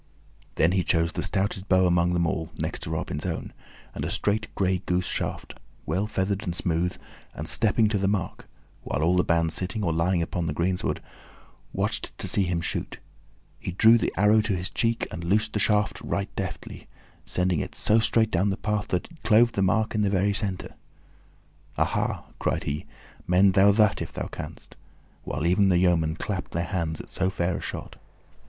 Then he chose the stoutest bow among them all, next to Robin's own, and a straight gray goose shaft, well feathered and smooth, and stepping to the mark while all the band, sitting or lying upon the greensward, watched to see him shoot he drew the arrow to his cheek and loosed the shaft right deftly, sending it so straight down the path that it clove the mark in the very center. "Aha!" cried he, "mend thou that if thou canst;" while even the yeomen clapped their hands at so fair a shot.